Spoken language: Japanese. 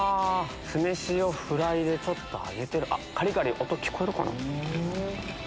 酢飯をフライでちょっと揚げてるカリカリ音聞こえるかな？